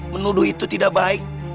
menuduh itu tidak baik